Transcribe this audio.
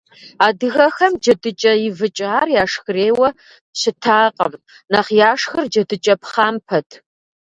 Адыгэхэм джэдыкӏэ ивыкӏар яшхырейуэ щытакъым, нэхъ яшхыр джэдыкӏэ пхъампэт.